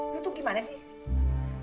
lo tuh gimana sih